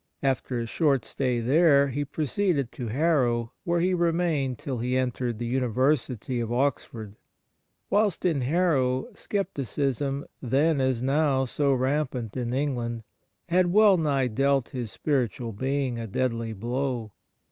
After a short stay there, he proceeded to Harrow, where he remained till he entered the University of Oxford. Whilst in Harrow, scepticism, then as now so rampant in England, had well nigh dealt his spiritual being a deadly blow.